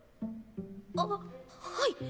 あっはい。